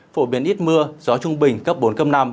phổ biến ít mưa gió trung bình cấp bốn cấp năm